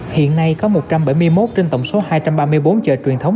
hiện nay có một trăm bảy mươi một trên tổng số hai trăm ba mươi bốn chợ truyền thống